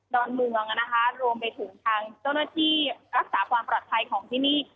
อนเมืองนะคะรวมไปถึงทางเจ้าหน้าที่รักษาความปลอดภัยของที่นี่